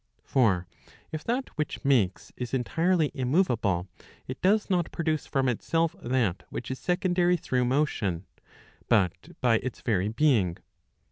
For if that which makes is entirely immoveable, it does not produce from itself that which is secondary through motion, but by its very being.